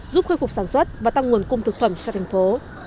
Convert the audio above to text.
giúp khôi phục sản xuất và tăng nguồn cung thực phẩm cho thành phố